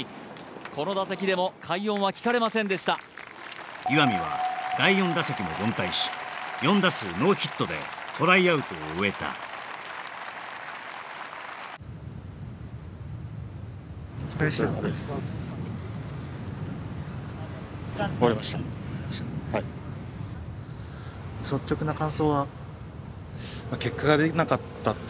この打席でも快音は聞かれませんでした岩見は第４打席も凡退し４打数ノーヒットでトライアウトを終えたお疲れでしたはい